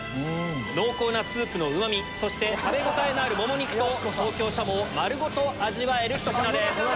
濃厚なスープのうま味そして食べ応えあるもも肉と東京しゃもを丸ごと味わえるひと品です。